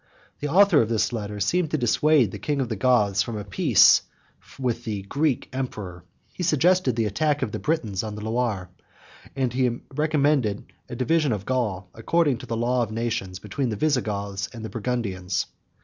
The author of this letter seemed to dissuade the king of the Goths from a peace with the Greek emperor: he suggested the attack of the Britons on the Loire; and he recommended a division of Gaul, according to the law of nations, between the Visigoths and the Burgundians.